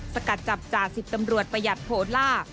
สกัดจับจ่าสิบตำรวจประหยัดโพล่า